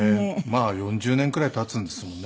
まあ４０年くらい経つんですもんね。